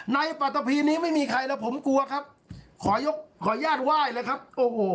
ปัตตะพีนี้ไม่มีใครแล้วผมกลัวครับขอยกขออนุญาตไหว้เลยครับโอ้โห